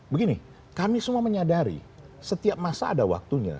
begini kami semua menyadari setiap masa ada waktunya